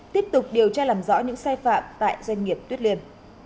tiếp tục điều tra làm rõ những sai phạm tại doanh nghiệp tuyết liên